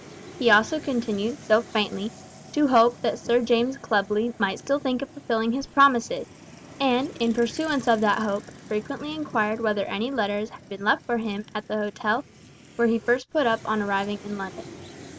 He also continued, though faintly, to hope that Sir James Clubley might still think of fulfilling his promises, and, in pursuance of that hope, frequently inquired whether any letters had been left for him at the hotel where he first put up on arriving in London.